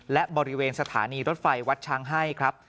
และบริเวณสถานีรถไฟวัดช้างให้ครับ